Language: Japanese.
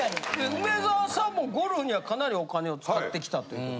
梅沢さんもゴルフにはかなりお金を使ってきたということ。